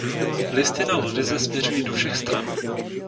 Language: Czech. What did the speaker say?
Listy na lodyze směřují do všech stran.